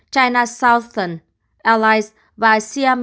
china southern airlines và xiamen airlines vận hành cho các hãng hàng không mỹ